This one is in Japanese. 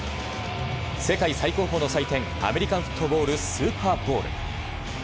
世界最高峰の祭典アメリカンフットボールスーパーボウル。